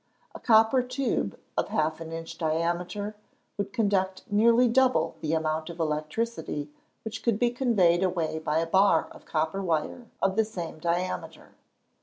A copper tube, of half an inch diameter, would conduct nearly double the amount of electricity which could be conveyed away by a bar of copper of the same diameter.